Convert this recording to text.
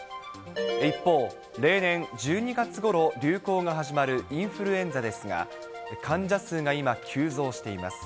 一方、例年１２月ごろ流行が始まるインフルエンザですが、患者数が今、急増しています。